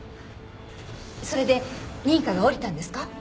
それで認可が下りたんですか？